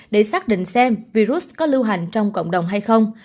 để xác định xem virus có lưu hành trong cộng đồng hay không